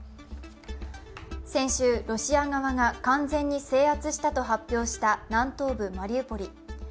先週ロシア側が完全に制圧したと発表した南東部のマリウポリ。